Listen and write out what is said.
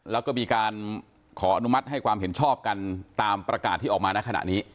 แล้วก็มีการขออนุมัติให้ความเห็นชอบกันตามประกาศที่ออกมาในขณะนี้